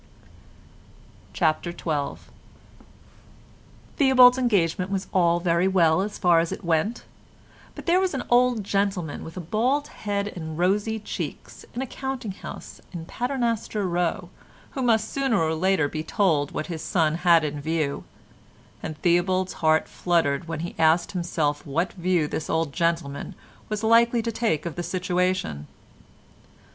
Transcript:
CHAPTER XII Theobald's engagement was all very well as far as it went, but there was an old gentleman with a bald head and rosy cheeks in a counting house in Paternoster Row who must sooner or later be told of what his son had in view, and Theobald's heart fluttered when he asked himself what view this old gentleman was likely to take of the situation.